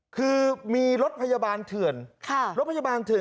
คือมีรถพยาบาลเถื่อนรถพยาบาลเถื่อน